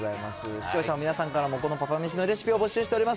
視聴者の皆さんからもこのパパめしのレシピを募集しております。